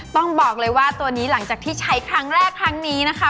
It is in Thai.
ต้องบอกเลยว่าตัวนี้หลังจากที่ใช้ครั้งแรกครั้งนี้นะคะ